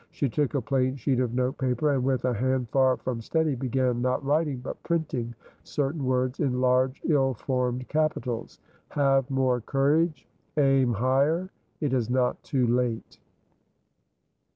She took a plain sheet of note paper, and, with a hand far from steady, began, not writing, but printing, certain words, in large, ill formed capitals. "HAVE MORE COURAGE. AIM HIGHER. IT IS NOT TOO LATE."